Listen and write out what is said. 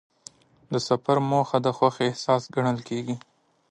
د سفر موخه د خوښۍ احساس ګڼل کېږي.